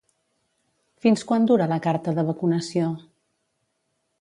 Fins quan dura la carta de vacunació?